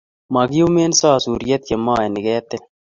Mokiumen sosuriet ye maen ketil.